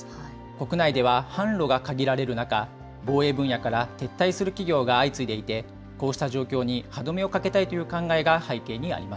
国内では販路が限られる中、防衛分野から撤退する企業が相次いでいて、こうした状況に歯止めをかけたいという考えが背景にありま